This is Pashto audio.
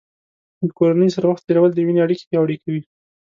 د کورنۍ سره وخت تیرول د مینې اړیکې پیاوړې کوي.